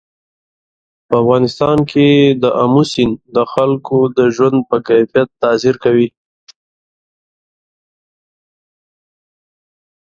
په افغانستان کې آمو سیند د خلکو د ژوند په کیفیت تاثیر کوي.